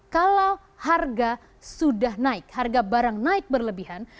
kalau harga sudah naik harga barang naik berlebihan